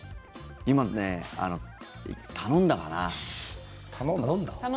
今ね、頼んだかな。